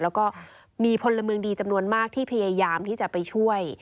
แล้วก็มีพลเมืองดีจำนวนมากที่พยายามที่จะไปช่วย